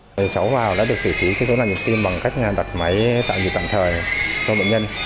cháu vào đã được xử trí thức số nặng nhịp tim bằng cách đặt máy tạo nhịp tạm thời cho bệnh nhân